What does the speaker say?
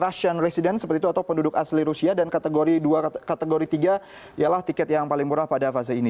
russion resident seperti itu atau penduduk asli rusia dan kategori tiga ialah tiket yang paling murah pada fase ini